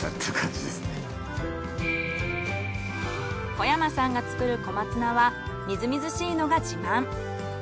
小山さんが作る小松菜は瑞々しいのが自慢。